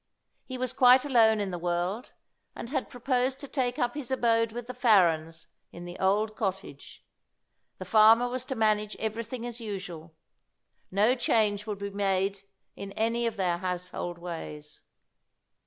He was quite alone in the world, and had proposed to take up his abode with the Farrens in the old cottage. The farmer was to manage everything as usual. No change would be made in any of their household ways.